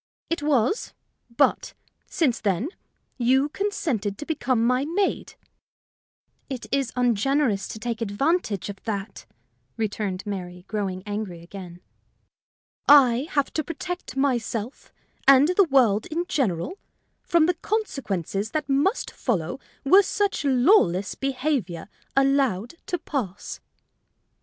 "It was; but, since then, you consented to become my maid." "It is ungenerous to take advantage of that," returned Mary, growing angry again. "I have to protect myself and the world in general from the consequences that must follow were such lawless behavior allowed to pass."